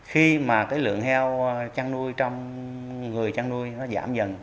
khi mà cái lượng heo chăn nuôi trong người chăn nuôi nó giảm dần